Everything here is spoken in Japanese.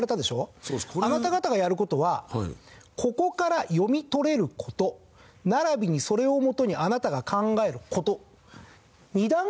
あなた方がやる事は「ここから読み取れることならびにそれをもとにあなたが考えること」。